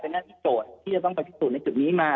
หน้าที่โจทย์ที่จะต้องไปพิสูจน์ในจุดนี้มา